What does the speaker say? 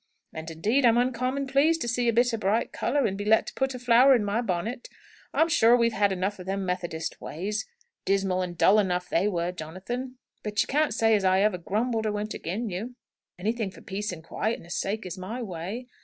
And, indeed, I'm uncommon pleased to see a bit of bright colour, and be let to put a flower in my bonnet. I'm sure we've had enough of them Methodist ways. Dismal and dull enough they were, Jonathan. But you can't say as I ever grumbled, or went agin' you. Anything for peace and quietness' sake is my way.